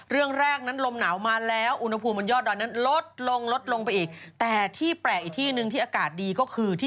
เรื่องแรกนั้นลมหนาวมาแล้วอุณหภูมิบนยอดดอยนั้นลดลงลดลงไปอีกแต่ที่แปลกอีกที่หนึ่งที่อากาศดีก็คือที่